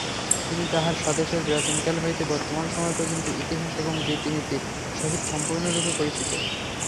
তিনি তাঁহার স্বদেশের প্রাচীনকাল হইতে বর্তমান সময় পর্যন্ত ইতিহাস এবং রীতিনীতির সহিত সম্পূর্ণরূপে পরিচিত।